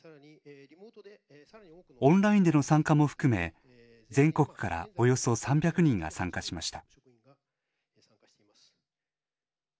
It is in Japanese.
オンラインでの参加も含め全国からおよそ３００人が参加しました。